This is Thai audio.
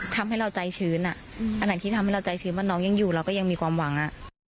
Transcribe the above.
ทำให้เราใจชื้นอ่ะอันไหนที่ทำให้เราใจชื้นว่าน้องยังอยู่เราก็ยังมีความหวังอ่ะ